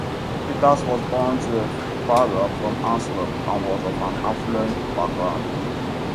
Peters was born to a father from Antwerp and was of an affluent background.